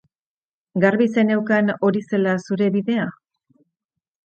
Garbi zeneukan hori zela zure bidea?